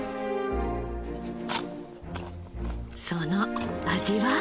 その味は？